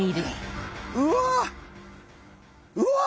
うわ！